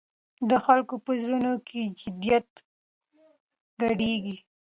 د خلکو په زړونو کې جدیت ګډېږي.